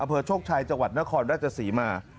อำเภอโชคชัยจังหวัดนครราชศรีมา